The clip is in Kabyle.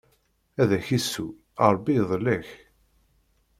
Ad ak-issu, Ṛebbi idel-ak!